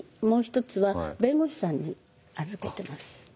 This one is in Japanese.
もう一つは弁護士さんに預けてます。